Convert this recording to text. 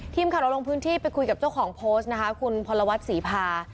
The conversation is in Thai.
ทีมข่าวเราลงพื้นที่ไปคุยกับเจ้าของโพสต์นะคะคุณพลวัฒน์ศรีพา